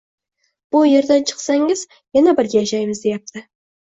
Bu erdan chiqsangiz yana birga yashaymiz, deyapti